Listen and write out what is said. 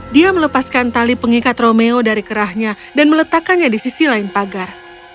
dia melepaskan tali pengikat romeo dari kerahnya dan meletakkannya di sisi lain pagar